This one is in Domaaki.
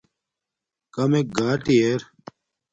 کمک گاٹی ار